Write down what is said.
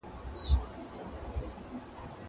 د روح په سمندر کي مي توپان راغلی دی